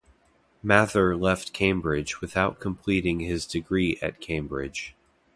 Mather left Cambridge without completing his degree at Cambridge.